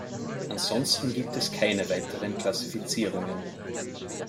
Ansonsten gibt es keine weiteren Klassifizierungen.